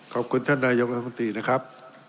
ขอบคุณท่านนายกรัฐมนตรีนะครับ